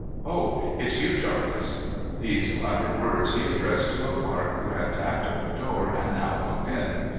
O ! It's you, Jarvis !' These latter words he addressed to a clerk who had tapped at the door, and now looked in.